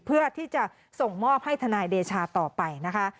เพื่อที่จะส่งมอบให้ทนายเดชาต่อไปนะคะ